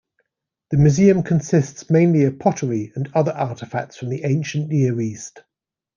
The museum consists mainly of pottery and other artefacts from the Ancient Near East.